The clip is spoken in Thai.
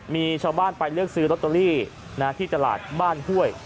มีชาวบ้านไปเลือกซื้อลอตเตอรี่ที่ตลาดบ้านห้วย